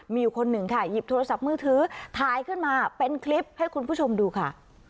มีอยู่คนหนึ่งค่ะหยิบโทรศัพท์มือถือถ่ายขึ้นมาเป็นคลิปให้คุณผู้ชมดูค่ะ